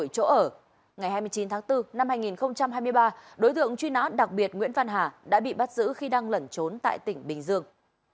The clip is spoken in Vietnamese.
các đối tượng đã bị bắt giữ khi đang lẩn trốn tại tỉnh bình dương